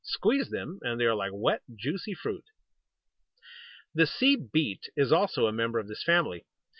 Squeeze them, and they are like wet, juicy fruit. The Sea Beet is also a member of this family.